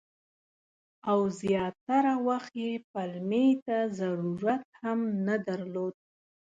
او زیاتره وخت یې پلمې ته ضرورت هم نه درلود.